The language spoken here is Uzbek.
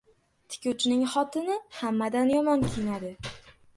• Tikuvchining xotini hammadan yomon kiyinadi.